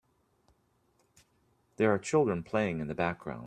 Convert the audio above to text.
There are children playing in the playground.